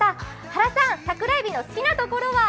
原さん、さくらえびの好きなところは？